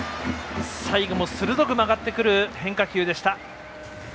最後も鋭く曲がってくる変化球でした。